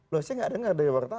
loh saya gak dengar dari wartawan